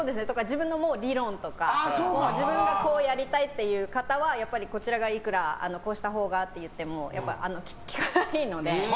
自分の理論とか自分がこうやりたいって方はやっぱりこちらがいくらこうしたほうがって言ってもやっぱり聞かないので。